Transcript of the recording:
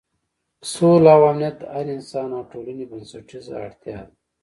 سوله او امنیت د هر انسان او ټولنې بنسټیزه اړتیا ده.